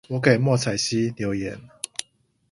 我給莫彩曦留言